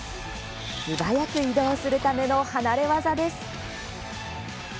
素早く移動するための離れ業です。